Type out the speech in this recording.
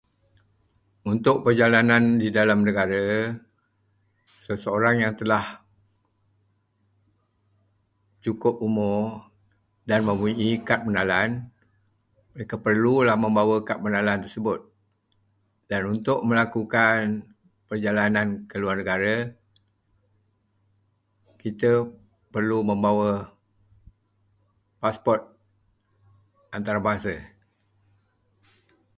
Untuk perjalanan dalam negara, seseorang yang telah cukup umur dan mempunyai kad pengenalan, mereka perlulah membawa kad pengenalan tersebut, dan untuk melakukan perjalanan ke luar negara, kita perlu membawa pasport antarabangsa.